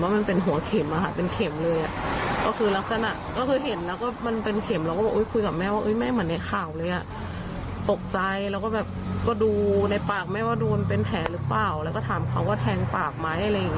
ไม่ใช่ว่าไม่อยากให้มันมีผลกระทบถึงคุณป้าแล้วกันค่ะ